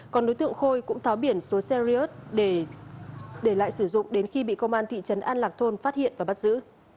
còn đối tượng khôi cũng tháo biển số xe riot để lại sử dụng đến khi bị công an thị trấn an lạc thôn phát hiện và bắt giữ